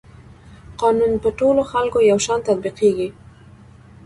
قانون په ټولو خلکو یو شان تطبیقیږي.